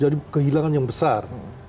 jadi kehilangan yang besar